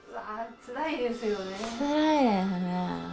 つらいですね。